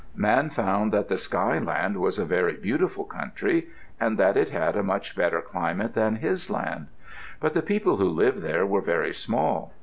Man found that the skyland was a very beautiful country, and that it had a much better climate than his land. But the people who lived there were very small.